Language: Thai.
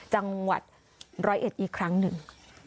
จังหวัดร้อยเอ็ดอีกครั้งหนึ่ง